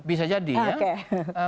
bisa jadi ya